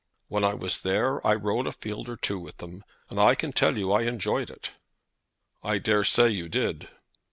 When I was there I rode a field or two with them, and I can tell you I enjoyed it." "I daresay you did."